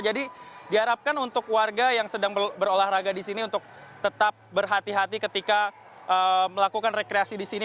jadi diharapkan untuk warga yang sedang berolahraga disini untuk tetap berhati hati ketika melakukan rekreasi disini